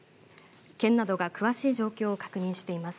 県などが詳しい状況を確認しています。